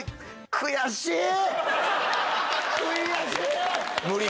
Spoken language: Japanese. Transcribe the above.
悔しいー！